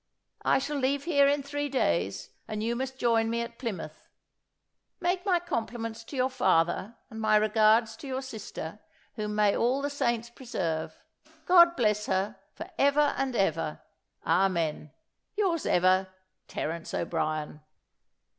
I shall leave here in three days, and you must join me at Plymouth. Make my compliments to your father, and my regards to your sister, whom may all the saints preserve! God bless her, for ever and ever. Amen. "Yours ever, "Terence O'Brien."